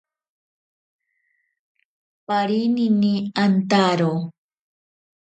Parinini antaro.